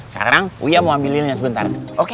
sekarang uya mau ambilnya bentar oke